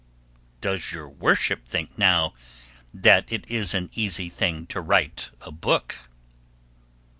Does your worship think now, that it is an easy thing to write a book?